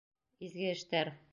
Изге эштәр!